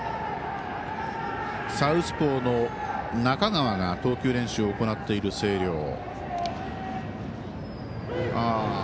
サウスポーの中川が投球練習を行っている星稜。